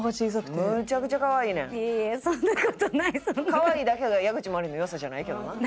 可愛いだけが矢口真里の良さじゃないけどな。